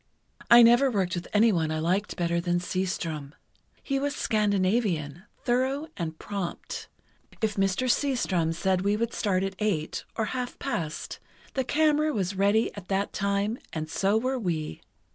I never worked with anyone I liked better than Seastrom. He was Scandinavian—thorough and prompt. If Mr. Seastrom said we would start at eight, or half past, the camera was ready at that time, and so were we.